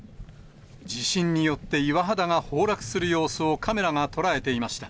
地震によって岩肌が崩落する様子を、カメラが捉えていました。